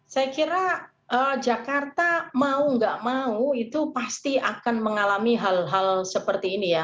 saya kira jakarta mau nggak mau itu pasti akan mengalami hal hal seperti ini ya